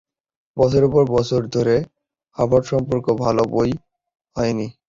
বছরের পর বছর ধরে হার্ভার্ড সম্পর্কে ভাল বই হয়নি।